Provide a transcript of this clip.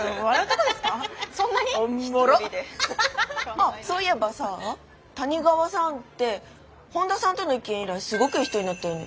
あっそういえばさ谷川さんって本田さんとの一件以来すごくいい人になったよね。